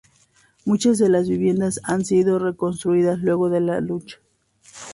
Muchas de las viviendas han sido reconstruidas luego de la lucha.